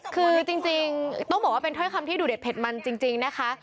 คือจริงต้องบอกว่าเป็นถ้อยคำที่ดูเด็ดเด็ดมันจริงนะคะ